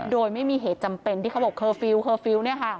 โดยไม่มีเหตุจำเป็นที่เขาบอกเคอร์ฟิลนี่ค่ะ